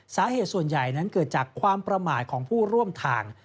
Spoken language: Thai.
สาเหตุส่วนใหญ่นั้นเกิดจากความประมาทของผู้ร่วมทาง